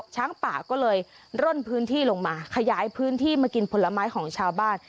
ช้างป่าก็เลยร่นพื้นที่ลงมาขยายพื้นที่มากินผลไม้ของชาวบ้าน